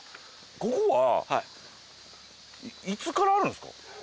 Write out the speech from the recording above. ここはいつからあるんですか？